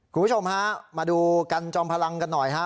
คุณผู้ชมฮะมาดูกันจอมพลังกันหน่อยฮะ